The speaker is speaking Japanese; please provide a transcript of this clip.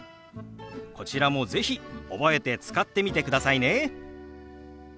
こちらも是非覚えて使ってみてくださいね。